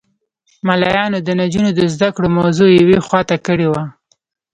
ملایانو د نجونو د زده کړو موضوع یوه خوا ته کړې وه.